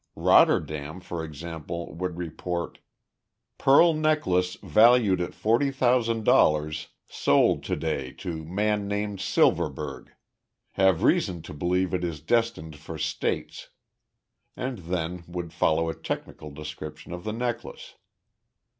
Rotterdam, for example, would report: "Pearl necklace valued at $40,000, sold to day to man named Silverburg. Have reason to believe it is destined for States" and then would follow a technical description of the necklace.